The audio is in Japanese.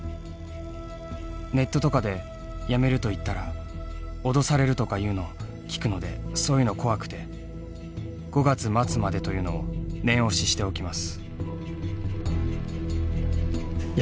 「ネットとかで辞めると言ったら脅されるとか言うのを聞くのでそう言うの怖くて５月末までと言うのを念押ししておきます」。